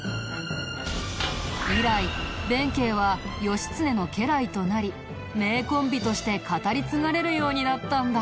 以来弁慶は義経の家来となり名コンビとして語り継がれるようになったんだ。